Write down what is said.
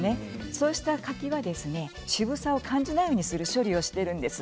そうした柿は渋さを感じないようにする処理をしているんです。